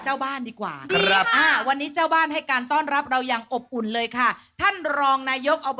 หัวขุงภาษาไทยมะลากรอปภาษาอังกฤษพะพายะ